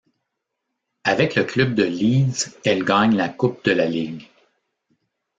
Avec le club de Leeds, elle gagne la Coupe de la Ligue.